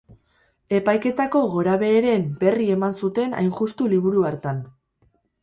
Epaiketako gorabeheren berri eman zuten hain justu liburu hartan.